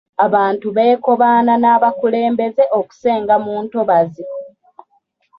Abantu beekobaana n'abakulembeze okusenga mu ntobazzi.